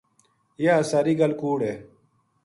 یاہ ساری گل کوڑ ہے